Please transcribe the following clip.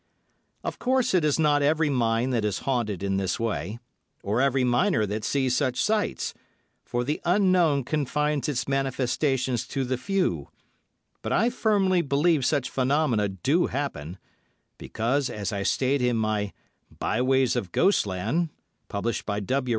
Of course, it is not every mine that is haunted in this way, or every miner that sees such sights, for the Unknown confines its manifestations to the few, but I firmly believe such phenomena do happen, because as I state in my "Byways of Ghostland" (W.